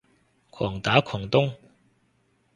狂打狂咚